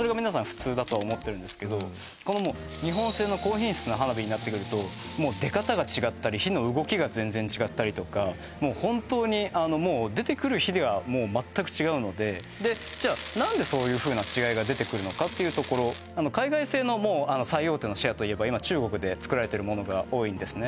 普通だと思ってるんですけどこのもう日本製の高品質な花火になってくるともう出方が違ったり火の動きが全然違ったりとかもう本当にあのもう出てくる火ではもう全く違うのでじゃあ何でそういうふうな違いが出てくるのかっていうところで作られてるものが多いんですね